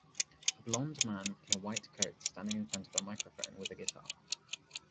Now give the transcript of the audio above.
A blond man in a white coat standing in front of a microphone with a guitar.